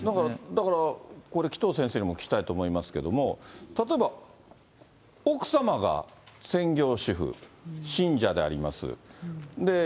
だからこれ、紀藤先生にもお聞きしたいと思いますけども、例えば、奥様が専業主婦、信者であります。